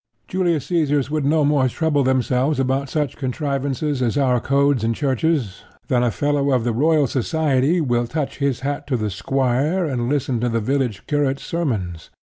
Julius Caesars would no more trouble themselves about such contrivances as our codes and churches than a fellow of the Royal Society will touch his hat to the squire and listen to the village curate's sermons.